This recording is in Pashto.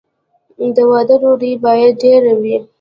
د واده ډوډۍ باید ډیره وي.